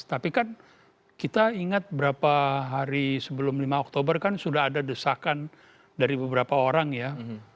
tapi kan kita ingat berapa hari sebelum lima oktober kan sudah ada desakan dari beberapa orang ya